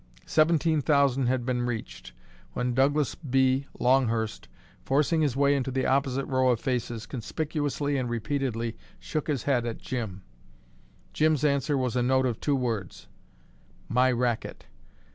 Seventeen thousand had been reached, when Douglas B. Longhurst, forcing his way into the opposite row of faces, conspicuously and repeatedly shook his head at Jim. Jim's answer was a note of two words: "My racket!"